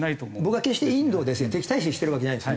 僕は決してインドをですね敵対視してるわけじゃないんです。